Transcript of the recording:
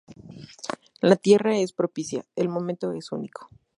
La tierra es propicia, el momento es único.